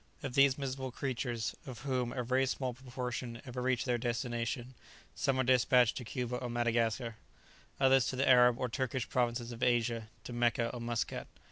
Of these miserable creatures, of whom a very small proportion ever reach their destination, some are despatched to Cuba or Madagascar, others to the Arab or Turkish provinces of Asia, to Mecca or Muscat.